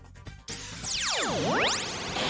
โอ้โห